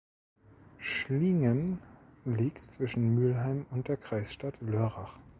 Schliengen liegt zwischen Müllheim und der Kreisstadt Lörrach.